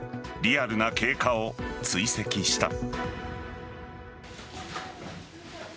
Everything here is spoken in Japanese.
リアルな経過を追跡した。